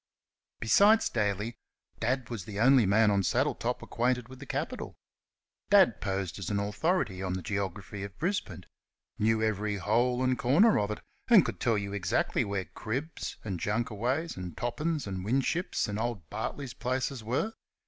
Besides Daly, Dad was the only man on Saddletop acquainted with the capital. Dad posed as an authority on the geography of Brisbane knew every hole and corner of it, and could tell you exactly where Cribb's, and Junkaway's, and Toppin's, and Winship's, and old Bartley's places were.